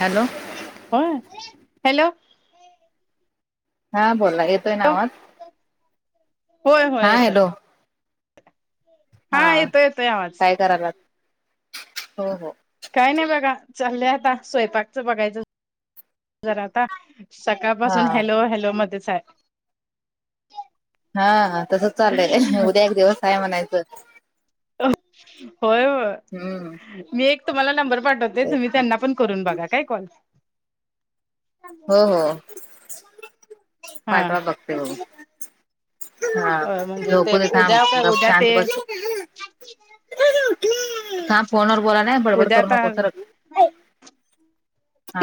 Hello होय hello. हा बोला येतोय नावाज. होय होय येतोय. हा येतोय येतोय आवाज काय करायला हो हो. काय नाही बघा चालले आता स्वयंपाकच बघायचं जरा आता. हा सकाळपासून हॅलो हॅलो मध्ये हाय. हा तसच चालय उद्या एक दिवस काय म्हणायचं. होय हम्म होय मी एक तुम्हाला नंबर पाठवतो. ते तेच तुम्ही त्यांना पण करून बघा काय कॉल. हो हो हा. हॅलो. हा म्हणजे ते झोपू दे उद्या काय गप उद्या शांत ते बसू दे. थांब फोनवर बोलले बडबड उद्या करू आता नकोस सरक.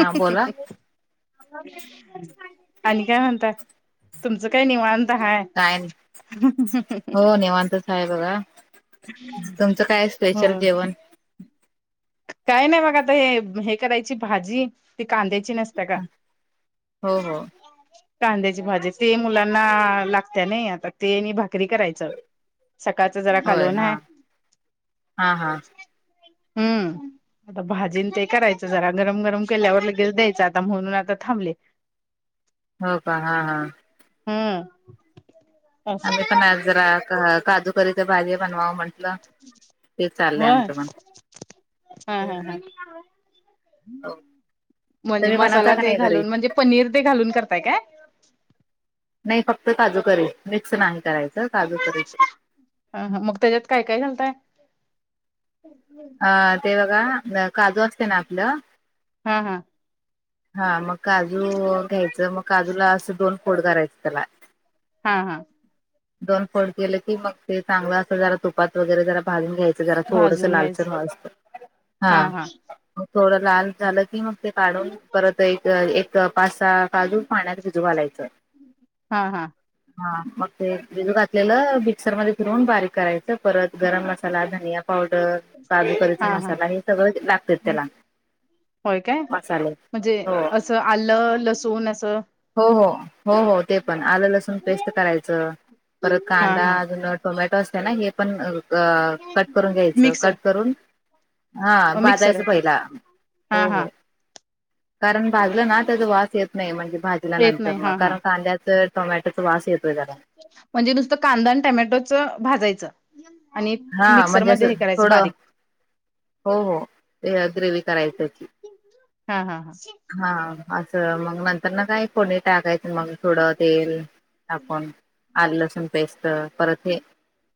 हं हं बोला हं हं. आणि काय म्हणतय तुमचं काय निवत. हाय काय नाही हं हं हं. हो नेवांतच आहे बघा तुमचं काय हो स्पेशल जेवण. काय नाही बघ आता हे हे करायची भाजी ती कांद्यायची नसते. का हा हो हो. कांद्याची भाजी ते मुलांना लागत नाही आता ते आणि भाकरी करायच. च सकाळच जरा होय कालवण हा आहे. हा हा. हम्म [inaudible] आता भाजीन ते करायचं जरा गरम गरम केल्यावर लगेच द्यायचं आता म्हणून आता थांबले. हो का हा हा. हम. आम्ही पण आजरा घ काजू. परीच भाजी बनवावं म्हटलं ते चाललंय होय आमचं मण हा हा म्हणजे तुम्ही बनवता मसाला का ते नाही घरी घालून म्हणजे पनीर ते घालून करताय काय नाही फक्त काजूके मिक्स नाही करायचं काजू करेच अ मग त्याच्यात काय काय चालतय ह हम अ ते बघा काजू असते ना आपलं हा हा हा मग काजू घ्यायचं मग काजूला असं दोन फोड करायचं त्याला हा हा दोन फोड गेले की मग ते चांगलं अस जरा तुपात वगैरे जरा भागून घ्यायचं जरा थोडस भाजून लालचर घ्यायच व असत हा मग थोडं लाल झालं की मग ते काढून परत एक एक पासा काजू पाण्यात भिजू घालायचं हा हा हा म ते बिज घातलेलं मिक्सर मध्ये फिरून बारीक करायचं परत गरम मसाला धनिया पावडर काजू हा कीचा हा मसाला हे सगळं लागते त्याला होय काय मसाले म्हणजे हो असं आलं लसूण असं हो हो हो हो ते पण आलं लसूण पेस्ट करायचं परत हा कांदा हा अजून टोमॅटो असते ना हे पण कट करून घ्यायच मिक्सर कट करून हा मिक्सर भाजायचं आहे पहिला हा हो हा हो कारण भाजलं ना त्याचा वास येत नाही म्हणजे येत भाजल्यानंतर नाही म हा हा कारण कांद्याच टमॅटोचा वावास येतो आहे म्हणजे नुसतं कांदा आणि टमॅटोच भाजायचं आणि हा म्हणजे मिक्सरमध्येध्ये हे असं करायचं थोडं बारीक हो हो ग्रेवी कराय त्याची हा हा हा हा असं मग नंतर ना काय फोडणी टाकायचं मग थोडं तेल आपाण आल लसूण पेस्ट परत हे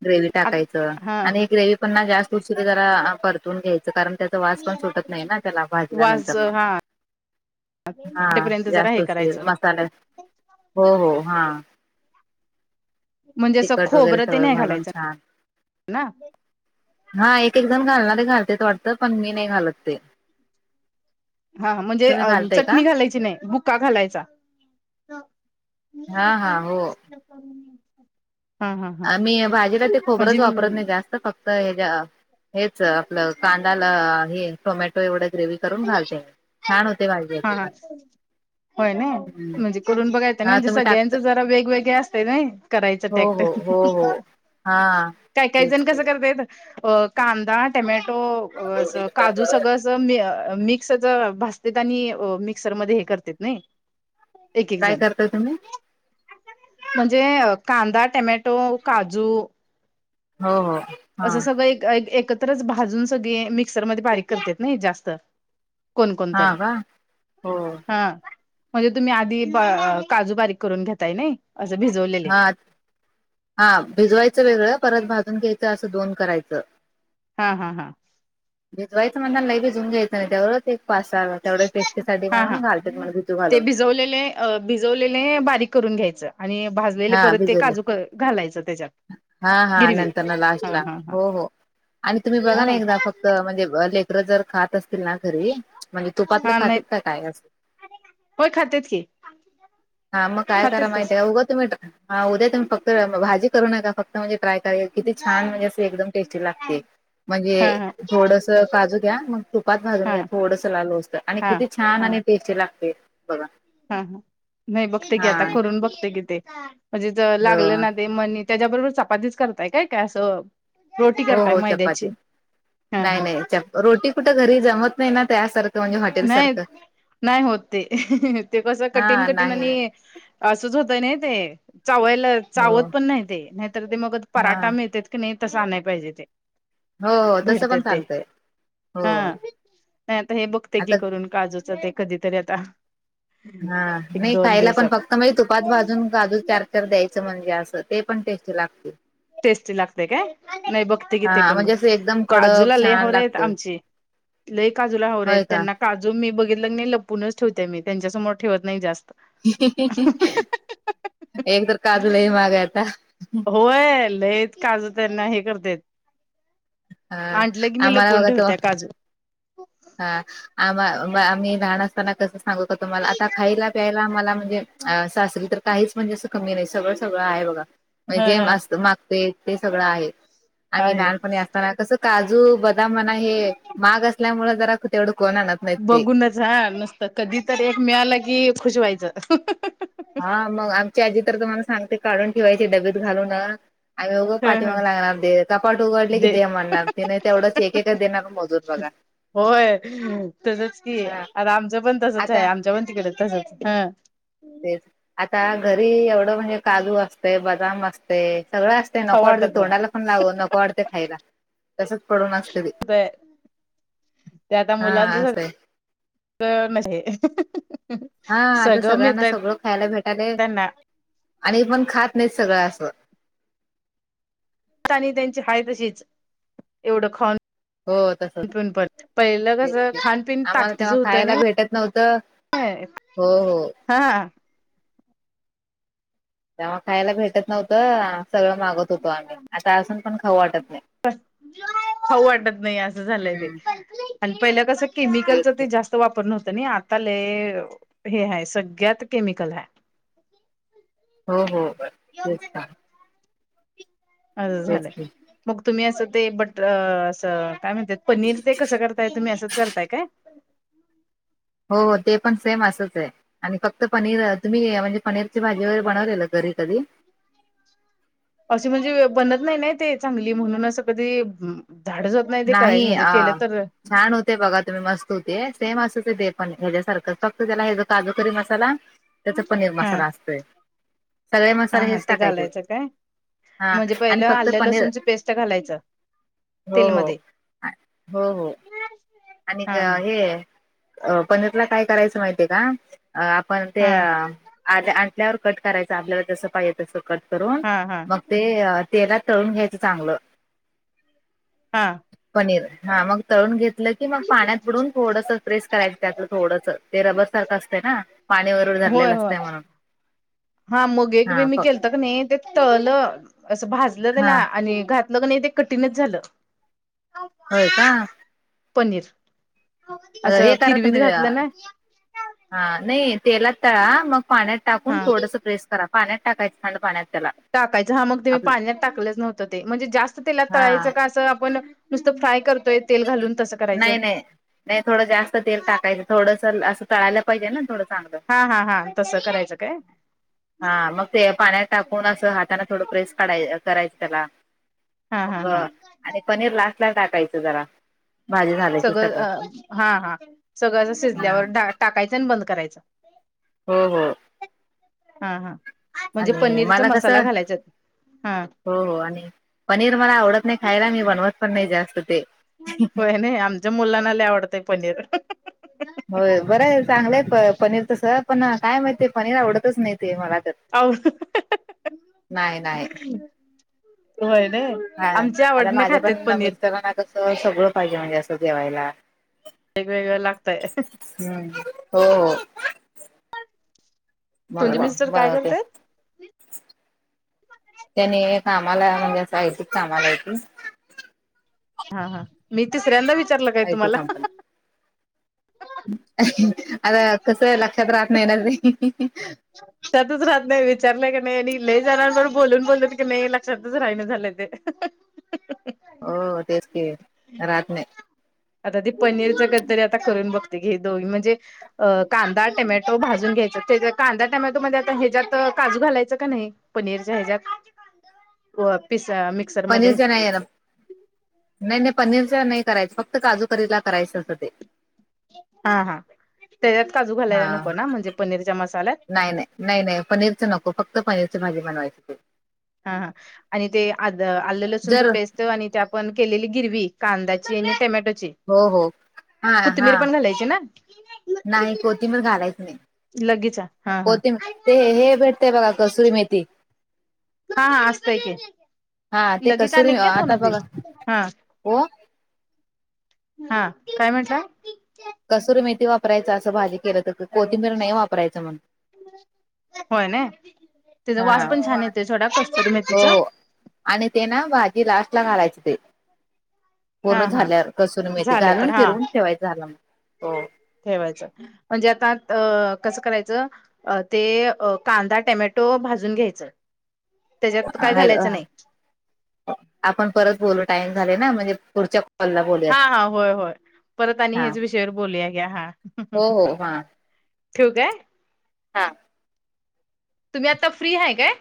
ग्रे् टाकायचे हा आणि ग्रेवी पण ना जास्त उ जरा परतवून घ्यायचं कारण त्याचा वास पण सुटत नाही ना त्याला भाजल्या वास नंतर म हा हा वाटेपर्यंत जरा हे जास्त करायचं मसाला हो हो हा म्हणजे असं तिकट वगैरे खोबरं ते सगळ नाही घालून घालायचं छान ना हा एक एक जण घालणार ते घालते वाडतं पण मी नाही घालत ते हा म्हणजे तुम्ही अ घालताय का चटणी घालायची नाही बुका घालायचा मी हे हा हा पण हो असलं करून आम्ही भाजीला ते खोबरच वापरत नाही जास्त फक्त हच्या हेच आपलं कांदाला हे टोमॅटो एवढं ग्रेव करून घालते मी छान होते भाजी याची हा पण. होय न हम्म. म्हणजे करून बघायचं नाही हा म्हणजे तुम्ही टाकता सगळ्यांचं जरा वेगवेगळे असत नाही करायच हो टॅक्टर हो हो हो हा तेच जण कसं कांदा टमॅटो काजू सगळ मिक्स भ आणि मिक्सर म कर नाही एक एक काय जण करताय तुम्ही? म्हणजे कांदा टमॅटो काजू हो हो हा असं सगळं एक एक तरच भाजून सगळे मिक्सरमध्ये बारीक करत नाही जास्त कोण कोणत हा का हो हा म्हणजे तुम्ही आधी काजू बारीक करून घेताय नय असं भिजवले हा, हा भिजवायचं वेगळं परत भाजून घ्यायचं, असं दोन करायचं. हा हा हा. भिजवायचं म्हनता नई भिजून घ्यायचं कळल ते पासा तेवढ्या पेस्टीसाठी म्हणून घालते म्हणून भिजु घालून. जवलेले भिजवलेले बारीक करून घ्यायच आणि भाजलेले हा परत ते भिजवले काजू घालायचं त्याच्यात. हा हा नंतर गिरवीत ना लास्ट हा ला, हा हो हो आणि तुम्ही बघा ना हा एकदा फक्त त म्हणजे लेकरं जर खात अस तीलना घरी, म्हणजे तुपातलं हा नाही खातात का काय? अस होय खातात की. हम काय खातेत करा तस माहिती काय उग तुम्ही [unintelligible] हा उद्या तुम्ही फक्त भाजी करू नका फक्त म्हणजे ट्राय करा किती छान म्हणजे अशी एकदम टेस्टी लागते, म्हणजे हा हा थोडस काजू घ्या, मग तुपात भाजून हा घ्या, थोडस लाल होवस्तर आणि हा किती छान आणि टेस्टी लागते बघा. हम्म, नही बघते कि हा आता, करून बघते की ते म्हणजे जर हो लागलं ना ते मनी त्याच्याबरोबर चपातीच करताय काय काय असं? रोटी हो करताय हो चपाती मैद्याची? हा हा. ती कुठ घरी जमत नाही ना, त्यासारख नाही नाही होत ते, ते कस कठीण हा कठीण नाही आणि असंच होतय नाही ते, चावायला चावत हो पण नाही ते नाहीतर ते मग हा पराठा मिळत क नाही तसं आनया पाहिजे ते. हो हो तसं भीडते पण ते चालतंय हो हा, नाहीत हे बघ कि आता करून काजूच ते कधीतरी आता. हा एक नाही दोन खायला पण दिवसात फक्त म्हणजे तुपात भाजून काजू चार चार द्याय च म्हणजे असं ते पण टेस्टी लागते. टेस्टी लागते काय, नही बघते किती हा पण म्हणजे असं एकदम कडक काजूला लई छान हवरे आहेत लागत आमची. लई काजूला हावरेत त्यांना का जु मी बघितल क नाही लपूनच ठेवतेय, मी त्यांच्यासमोर ठेवत नाही जास्त. एक तर काजू लई महाग आहे आता. होय लयिच काजु त्यांना हे करतेेत. हा आण्टलं की मी आम्हाला लपवून बघा तो ठेवत्या काजू. हा आम आम्ही लहान असताना तसच सांगु का तुम्हाला आता खायला प्यायला मला म्हणजे सासरी तर काहीच म्हणजे असं कमी नाही, सगळं सगळं आहे बघा म्हणज हा जे हा मा मागते ते सगळं आहे, आम्ही आहे लहानपणी असताना कस काजू ब दाम मणा हे महाग असल्यामुळे जरा तेवढं कोण ला बघूनच हा नुसतं, कधी तरी एक मिळालं की खुश व्हायचं. हा मग आमची आजी तर तुम्हाला सांगते काढून ठेवायची डबेत घालून. आणि होघं ह ह पाठीमाग लागणार दे, कपाट उघडले की दे, म्हणणार ते नाही तेवढंच एक एककाच देणार मोजून बघा. होय तसच कि, अन हा आता आमचं पण तसच आहे, आता आमच्या पण तिकडे तसच. तेच आता घरी एवढं म्हणजे काजू असतंय, बदाम असत ते सगळं असते खाऊ नको वाडते, वाटत नाही तोंडाला पण लावू नको वाटते खायला. तसच पडून असते ते. ते आता हा मुलांच सगळ असंय [unintelligible] म्हणे [unintelligible] हा आता सगळ्यांना सगळं खायला भेटायले त्यांना आणि पण खात नाहीत सगळं असं. [unintelligible] आणि त्यांची हाय तशीच एवढं खाऊन. हो तस, पिऊन पण पहिलं तेच कसं ते खानपिन आम्हाला ताकतीच तेव्हा होतं खायाला भेटत नव्हतं. नाही हो हो. हा तेव्हा खायला भेटत नव्हतं सगळं मागत होतो आम्ही आता अजून पण खाऊ वाटत नाही होऊ वाटत नाही असं झालंय ते हम्म आणि पहिलं कसं तेच केमिकलच की ते जास्त वापर नव्हत आता हे ह सगळ्यात केमिकल ह हो हो तेच तेच झालंय की मग तुम्ही असं ते बटर असं काय म्हणतात पनीर ते कसं करताय तुम्ही असंच करताय काय हो हो ते पण सेम असंच आहे आणि फक्त पनीर तुम्ही म्हणजे पनीरची भाजी वगैरे बनवलेलं घरी कधी अशी म्हणजे बनत नाही नाही ते चांगली म्हणून असं कधी झाड जात नाही अ छान होत ते बघा तुम्ही मस्त होते सेम अस दे पण ह्यासारखं फक्त त्याला ह ज काजूकरी मसाला त्याचा पनीर हा मसाला असतोय सगळे हा मसाले हा हेच ते टाकायचे घालायचं काय हा म्हणजे आणि पहिलं फक्त आल्या पनीर लसूणची पेस्ट घालायचं तेलमध्ये अ हो हो आणि हा हा हे पनीरला काय करायचं माहितीय का अ आपण ते हा आ आणल्यावर कट करायचं आपल्याला जसं पाहिजे तसं कट करून हा हा मग ते तेलात तळून घ्यायचं चांगलं हा पनीर हा मग तळून घेत म्हटलं की मग पाण्यात बुडून थोडस प्रेस करायच त्यात थोडंस ते रबर सारखं असतं ना पाणी वरवर होय धरलेलं होय असतंय म्हणून हा मगे एक बी हा मी फ केल नाही ते तळलं असं भाजलं त्याला हा आणि घातलं क नाही ते कठीणच झालं होय का पनीर हे असं करा किरवीत तुम्ही घातलं ना हा नाही तेलात तळा मग पाण्यात टाकून हा थोडंसं प्रेस करा पाण्यात टाकायच थंड पाण्यात त्याला टाकायचं हा मग तेही आपलं पाण्यात टाकलंच नव्हतं ते म्हणजे जास्त तिला हा तळायचं का असं आपण नुसत फ्राय करतोय तेल घालून तसं करायचं नाही नाही नाही थोडं जास्त तेल टाकायचं थोडस असं तळायला पाहिजे ना थोडं चांगलं हा हा हा तसं करायचं काय हा मग ते पाण्यात टाकून असं हाताान थोडं प्रेस काढायला करायचं त्याला हा हा मग हा आणि पनीर लास्ट ला टाकायचं जरा भाजी झालं की सगळं हा हा सगळं अस हा शिजल्यावर टाकायचं आणि बंद करायचं हो हो हा हा म्हणजे आणि पनीरचा मला मसाला कसं घालायचा हा हो हो आणि पनीर मला आवडत नाही खायला मी बनवत पण नाही जास्त ते होय नाही आमच्या मुलांना लय आवडतय पनीर हो बरं आहे चांगलंय पनीर तस पण काय माहित आहे पनीर आवडतच नाही ते मला तर आ नाही नाही होय न हा आता माझ्या पण मिस्तरांना कसं सगळं पाहिजे म्हणजे असं जवायला वेगवेगळं लागतय हम्म हो हो मग तुमचे मिस्टर काय बनवते करतयत त्यानी कामाला म्हणजे साहित्यिक कामाला आहे कती. हा हा मी तिसऱ्यांदा विचारलं काय आयटी तुम्हाला. अ अ कसर लक्षत आत्नयनलरी. लक्षातच राहत नाही विचारलंय की नाही आणि ल जाणार पण बोलून बोलत की नाही लक्षातच राहि नाही झालंय ते हो तेच क रात नाही. आता ती पनीरच कधतरी आता करून बघते घे दोघ म्हणजे अ कांदा टमॅटो भाजून घ्यायचा त्याच्या. कांदा टॅमॅटोमध्येध्ये आता ह्याच्या्यात काजू घालायचं का नाही पनीरच्या ह्याच्या्यात. हो पिस. मध्ये पनीस नाहीरा. नाही नाही पनीरच्या नाही करायचं फक्त काजूकरीला करायचं असं ते. हा हा त्याच्यात काजू हा घालायला नको ना म्हणजे पनीरच्या मसाल्यात. नाही नाही नाही नाही पनीरचं नको फक्त पनीरची भाजी बनवायची ते. हा हा आणि ते आ आलं लसूणचं जर पेस्ट. आणि त्या आपण केलेली गिरवी कांदाची आणि टमॅटोची हो हो हा हा कोथिंबीर पण घालायची ना नाही कोणी मण घालायचं नाही. लगेच हा हा. ते हे भेटते बघा कसूरी मेथी हा हा असतय क हा ते लगेच आण कसुरी का दोन आता बी बघा हा. हो. हा काय म्हटलं? कसुरमेथी वापरायचं असं भाजी केलं तर कोथिंबीर नाही वापरायचं म्हण. होय ना तचा हा वास पण छान येते ोडा कसत तु म हो तिचा. हो आणि ते ना भाजी लास्ट ला घालायचे ते. पूर्ण हा हा झाल्यावर कसून मती झालं घालून तर हा फिरवून ठेवाय झालं मग हो. ठेवायचं म्हणजे आता कसं करायचं. अ ते कांदा टमॅटो भाजून घ्यायचं. [unintelligible] त्याच्यात काय हॅलो घालायचं नाही आपण परत बोलू टाइम झाले ना म्हणजे पुढच्या कॉलला बोलूयात हा हा होय होय परत आणि हा हेच विषयावर बोलूया घ्या हा. हो हो ठेू काय. हां. तुम्ही आता फ्री आहे काय.